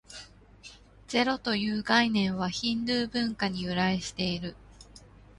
ゼロという概念は、ヒンドゥー文化に由来している。